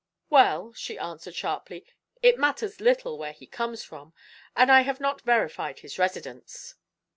"Well," she answered sharply, "it matters little where he comes from, and I have not verified his residence.